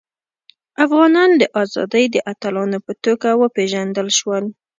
افغانان د ازادۍ د اتلانو په توګه وپيژندل شول.